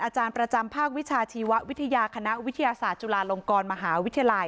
อาจารย์ประจำภาควิชาชีววิทยาคณะวิทยาศาสตร์จุฬาลงกรมหาวิทยาลัย